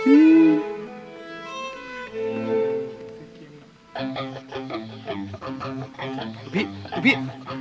อุ๊ยพี่อุ๊ยพี่